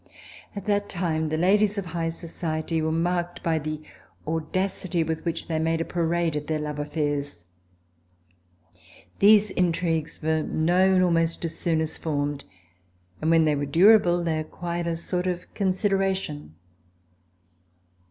At that time the ladies of high society were marked by the audacity with which they made a parade of their love afi^airs. These intrigues were known almost as soon as formed, and when they were durable, they acquired a sort of consideration.